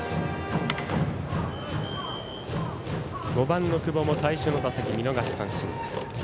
５番の久保も最初の打席見逃し三振です。